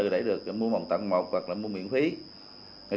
để được mua bằng tặng một hoặc là mua miễn phí